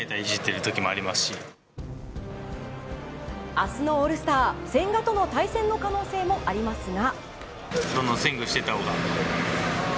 明日のオールスター千賀との対戦の可能性もありますが。